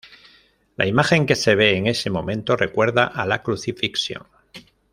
La imagen que se ve en ese momento recuerda a la crucifixión.